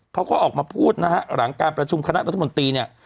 เขาก็ออกมาพูดนะฮะหลังการประชุมคณะรัฐมนตรีเนี่ย